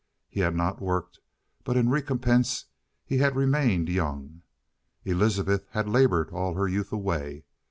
He had not worked, but in recompense he had remained young. Elizabeth had labored all her youth away.